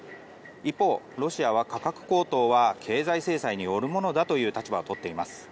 一方、ロシアは価格高騰は経済制裁によるものだという立場を取っています。